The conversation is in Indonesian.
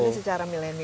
petani secara milenial